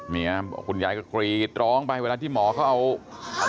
เนี่ยคุณยายก็กรีดร้องไปเวลาที่หมอเขาเอา